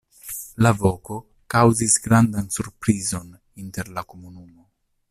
La voko kaŭzis grandan surprizon inter la komunumo.